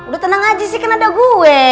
lu tenang aja sih karena ada gue